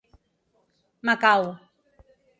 Macau.